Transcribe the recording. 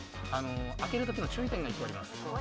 開けるときの注意点が１個あります。